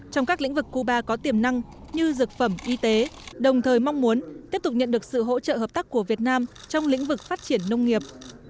trong các lĩnh vực cuba có tiềm năng như dược phẩm y tế đồng thời mong muốn tiếp tục nhận được sự hỗ trợ hợp tác của việt nam trong lĩnh vực phát triển nông nghiệp